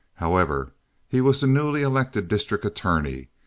However, he was the newly elected district attorney.